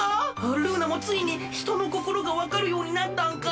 ルーナもついにひとのこころがわかるようになったんか？